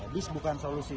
bis bukan solusi